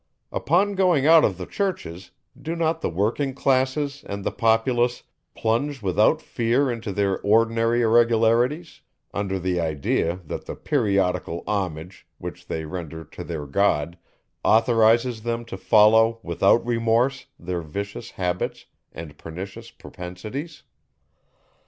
Upon going out of the churches, do not the working classes, and the populace, plunge without fear into their ordinary irregularities, under the idea, that the periodical homage, which they render to their God, authorizes them to follow, without remorse, their vicious habits and pernicious propensities?